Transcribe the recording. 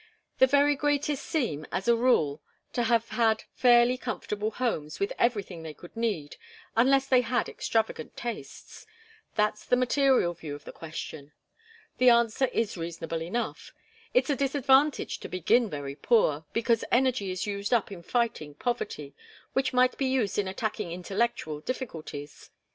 The very greatest seem, as a rule, to have had fairly comfortable homes with everything they could need, unless they had extravagant tastes. That's the material view of the question. The answer is reasonable enough. It's a disadvantage to begin very poor, because energy is used up in fighting poverty which might be used in attacking intellectual difficulties.